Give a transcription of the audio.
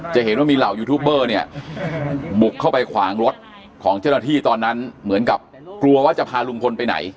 จะเห็นว่ามีเหล่ายูทูบเบอร์เนี่ยบุกเข้าไปขวางรถของเจ้าหน้าที่ตอนนั้นเหมือนกับกลัวว่าจะพาลุงพลไปไหน